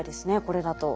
これだと。